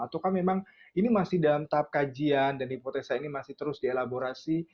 ataukah memang ini masih dalam tahap kajian dan hipotesa ini masih terus dielaborasi